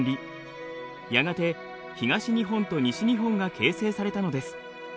やがて東日本と西日本が形成されたのです。